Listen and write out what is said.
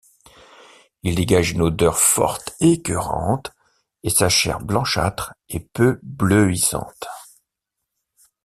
Il dégage une odeur forte écœurante et sa chair blanchâtre est peu bleuissante.